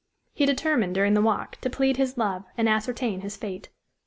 He determined, during the walk, to plead his love, and ascertain his fate.